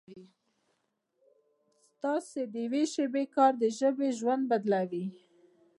ستاسو د یوې شېبې کار د ژبې ژوند بدلوي.